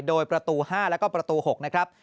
โดยประตู๕แล้วก็ประตู๖นะครับ